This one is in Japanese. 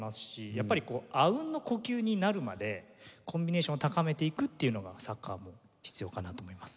やっぱりあうんの呼吸になるまでコンビネーションを高めていくっていうのがサッカーも必要かなと思います。